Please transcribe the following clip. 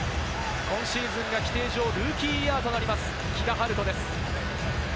今シーズンが規定上、ルーキーイヤーとなります、木田晴斗です。